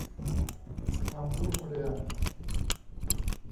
ความรุ่งเรือง